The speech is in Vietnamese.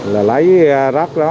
là lấy rác đó